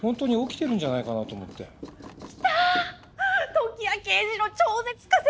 時矢刑事の超絶仮説